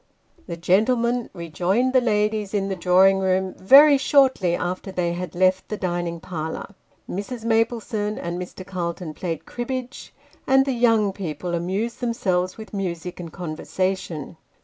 The gentlemen rejoined the ladies in the drawing room very shortly after they had left the dining parlour. Mrs. Maplesone and Mr. Calton played cribbage, and the " young people " amused themselves with music and conversa tion.